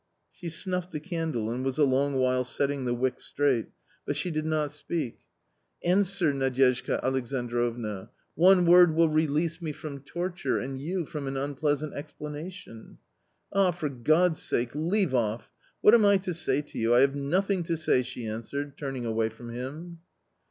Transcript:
She snuffed the candle and was a long while setting the wick straight, but she did not speak. A COMMON STORY 123 "Answer, Nadyezhda Alexandrovna ; one word will release me from torture and you — from an unpleasant explanation." " Ah, for God's sake, leave off ! What am I to say to you ? I have nothing to say !" she answered, turning away from him.